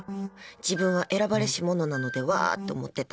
自分は選ばれし者なのではって思ってた。